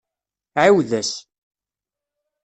Ɛiwed-as.